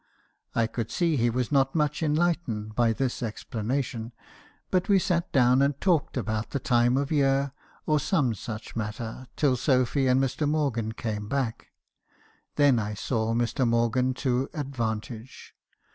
I could see he was not much enlightened by this ex planation, but we sat down and talked about the time of year, or some such matter, till Sophy and Mr. Morgan came back. Then I saw Mr. Morgan to advantage.